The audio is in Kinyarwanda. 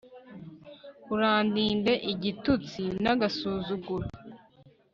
urandinde igitutsi n'agasuzuguro